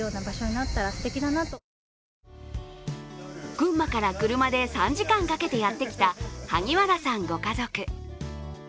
群馬から車で３時間かけてやってきた萩原さんご家族。